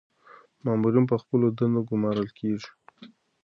مامورین په خپلو دندو ګمارل کیږي.